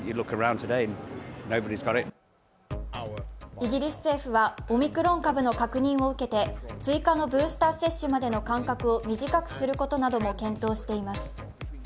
イギリス政府はオミクロン株の確認を受けて、追加のブースター接種までの間隔を短くすることなども検討しています。